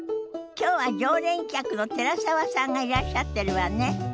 きょうは常連客の寺澤さんがいらっしゃってるわね。